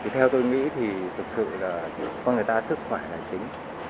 theo tôi nghĩ thì thực sự là con người ta sức khỏe là chính